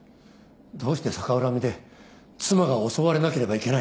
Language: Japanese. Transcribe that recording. どうして逆恨みで妻が襲われなければいけないんだと。